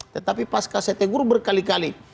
tetapi pasca sete guru berkali kali